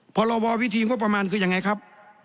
พรบวิธีงบประมาณคือยังไงครับ